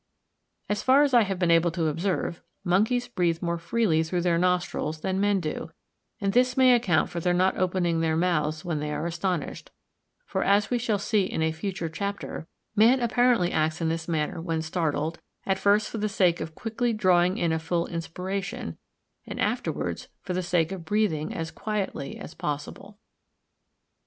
As far as I have been able to observe, monkeys breathe more freely through their nostrils than men do; and this may account for their not opening their mouths when they are astonished; for, as we shall see in a future chapter, man apparently acts in this manner when startled, at first for the sake of quickly drawing a full inspiration, and afterwards for the sake of breathing as quietly as possible.